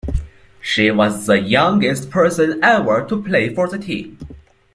She was the youngest person ever to play for the team.